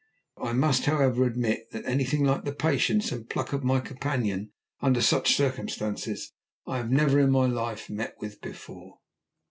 I must, however, admit that anything like the patience and pluck of my companion under such circumstances I had never in my life met with before.